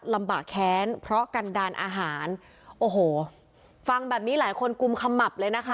ลำบากแค้นเพราะกันดาลอาหารโอ้โหฟังแบบนี้หลายคนกุมขมับเลยนะคะ